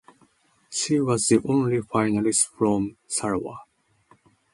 She was the only finalist from Sarawak.